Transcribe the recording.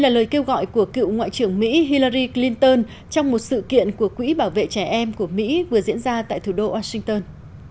nói của cựu ngoại trưởng mỹ hillary clinton trong một sự kiện của quỹ bảo vệ trẻ em của mỹ vừa diễn ra tại thủ đô washington